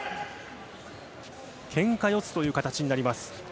けんか四つという形になります。